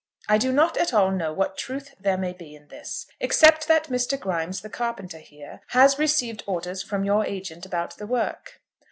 I do not at all know what truth there may be in this, except that Mr. Grimes, the carpenter here, has received orders from your agent about the work.